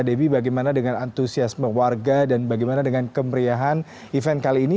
debbie bagaimana dengan antusiasme warga dan bagaimana dengan kemeriahan event kali ini